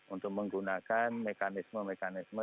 untuk menggunakan mekanisme mekanisme